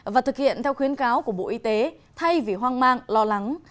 và thực hiện theo khuyến cáo của bộ y tế thay vì hoang mang lo lắng